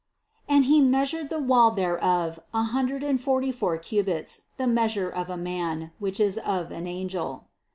281. "And he measured the wall thereof a hundred and forty four cubits, the measure of a man, which is of an angel."